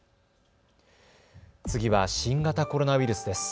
次は新型コロナウイルスです。